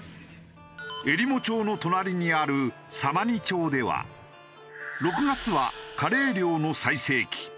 えりも町の隣にある様似町では６月はカレイ漁の最盛期。